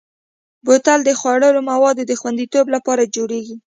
بوتل د خوړلو موادو د خوندیتوب لپاره جوړېږي.